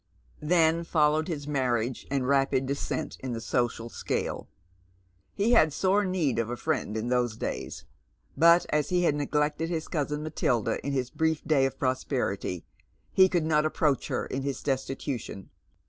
Then followed his maiTiage and rapid descent in the social scale. He had sore need of a friend in those days ; but as he had neglected his cousin Matilda in hia brief day of prosperity, he could not approach her in his destitu tion.